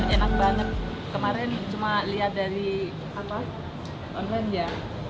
enak banget kemarin cuma lihat dari online ya